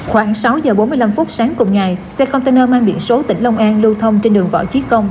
khoảng sáu giờ bốn mươi năm phút sáng cùng ngày xe container mang biển số tỉnh long an lưu thông trên đường võ chí công